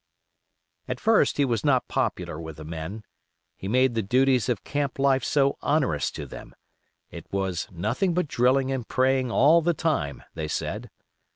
At first he was not popular with the men, he made the duties of camp life so onerous to them, it was "nothing but drilling and praying all the time," they said.